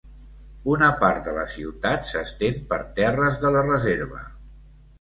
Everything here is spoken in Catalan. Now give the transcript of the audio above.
Una part de la ciutat s'estén per terres de la reserva.